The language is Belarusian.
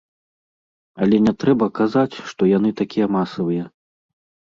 Але не трэба казаць, што яны такія масавыя.